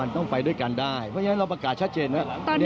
ต้องไปด้วยกันได้เพราะฉะนั้นเราประกาศชัดเจนว่า